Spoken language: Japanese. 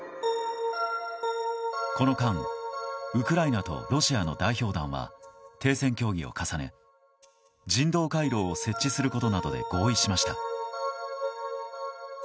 この間、ウクライナとロシアの代表団は、停戦協議を重ね人道回廊を設置することなどで合意しました。